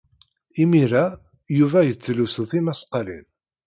Imir-a, Yuba yettlusu tismaqqalin.